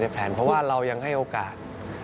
เพราะว่าเรายังให้โอกาส